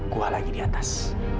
gue lagi di atas